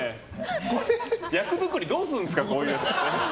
役作りどうするんですかこういうのって。